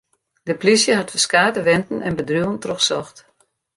De polysje hat ferskate wenten en bedriuwen trochsocht.